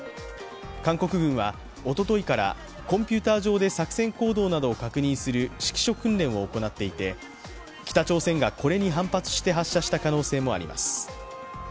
韓国軍はおとといからコンピューター上で作戦行動などを確認する指揮所訓練を行っていて北朝鮮がこれに反発して発射した可能性もあります。